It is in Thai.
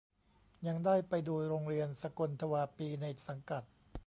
ยังได้ไปดูโรงเรียนสกลทวาปีในสังกัด